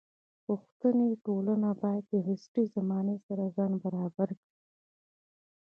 پښتني ټولنه باید د عصري زمانې سره ځان برابر کړي.